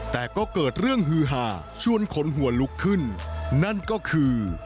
แต่ก็เกิดเรื่องฮือหาชวนขนหัวลุกขึ้นนั่นก็คือ